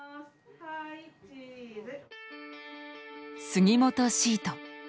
「杉本シート」。